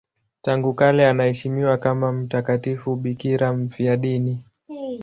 Tangu kale anaheshimiwa kama mtakatifu bikira mfiadini.